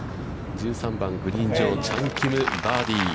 １３番、グリーン上、チャン・キム、バーディー。